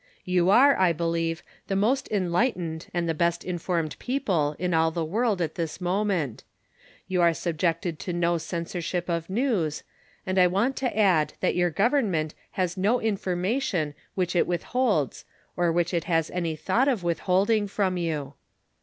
You are, I believe, the most enlightened and the best informed people in all the world at this moment. You are subjected to no censorship of news, and I want to add that your government has no information which it withholds or which it has any thought of withholding from you.